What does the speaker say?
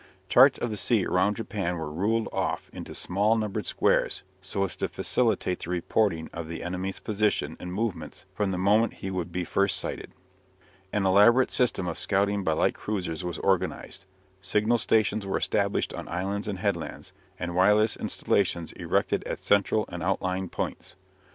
Charts of the sea around Japan were ruled off into small numbered squares, so as to facilitate the reporting of the enemy's position and movements from the moment he would be first sighted. An elaborate system of scouting by light cruisers was organized; signal stations were established on islands and headlands, and wireless installations erected at central and outlying points.